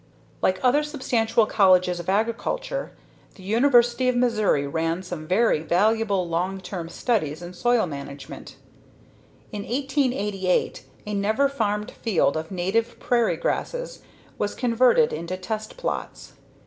_ Like other substantial colleges of agriculture, the University of Missouri ran some very valuable long term studies in soil management. In 1888, a never farmed field of native prairie grasses was converted into test plots.